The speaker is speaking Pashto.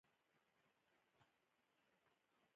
زه تل هڅه کؤم چي خپل مسؤلیت ادا کړم.